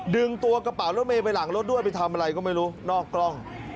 ดึงตัวกระเป๋ารถเมย์ไปหลังรถด้วยไปทำอะไรก็ไม่รู้นอกกล้อง